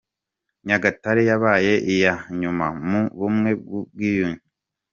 Nyagatare yabaye i ya nyuma mu bumwe n’Ubwiyunge .